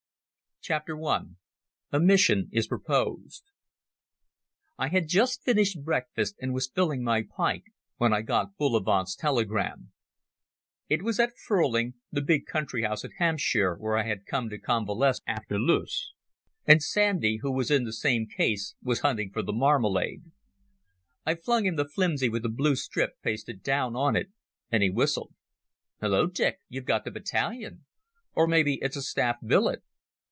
CHAPTER I. A Mission is Proposed I had just finished breakfast and was filling my pipe when I got Bullivant's telegram. It was at Furling, the big country house in Hampshire where I had come to convalesce after Loos, and Sandy, who was in the same case, was hunting for the marmalade. I flung him the flimsy with the blue strip pasted down on it, and he whistled. "Hullo, Dick, you've got the battalion. Or maybe it's a staff billet.